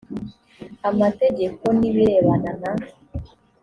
amategeko n ibirebana na